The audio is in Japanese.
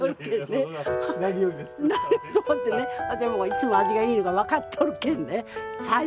いつも味がいいのが分かっとるけんねさあ